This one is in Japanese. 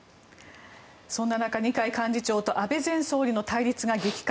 そんな中、二階幹事長と安倍前総理の対立が激化。